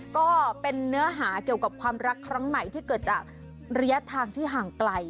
ก็เป็นเนื้อหาเกี่ยวกับความรักครั้งใหม่ที่เกิดจากระยะทางที่ห่างไกล